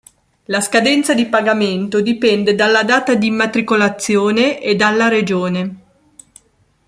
La scadenza di pagamento dipende dalla data di immatricolazione e dalla regione.